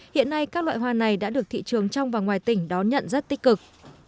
hiện nay các loại hoa này đã được thị trường trong và ngoài tỉnh đón nhận rất tích cực